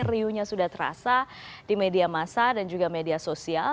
reunya sudah terasa di media masa dan juga media sosial